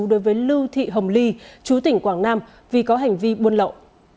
đối với lưu thị hồng ly chú tỉnh quảng nam vì có hành vi buôn lậu